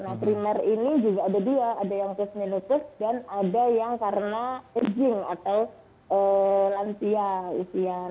nah primer ini juga ada dia ada yang kes menutup dan ada yang karena aging atau lansia isian